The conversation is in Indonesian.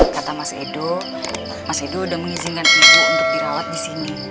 kata mas edo mas edo sudah mengizinkan ibu untuk dirawat di sini